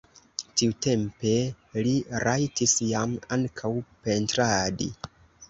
Tiutempe li rajtis jam ankaŭ pentradi.